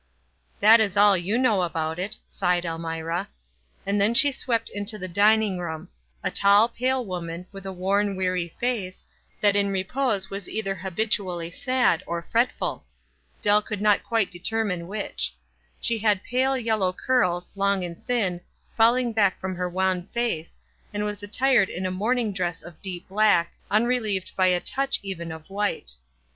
"That is all you know about it," sighed El mira. And then she swept into the dining room — a tall, pale woman, with a worn, weary face, that in repose was either habitually sad or fretful. Dell could not quite determine which. She had pale, yellow curls, long ana thin, fall 298 WISE ASTD OTHERWISE. ing back from her wan face, and was attired in a morning dress of deep black, unrelieved by a touch even of white.